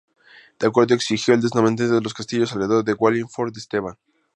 El acuerdo exigió el desmantelamiento de los castillos alrededor de Wallingford de Esteban.